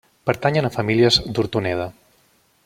Pertanyen a famílies d'Hortoneda.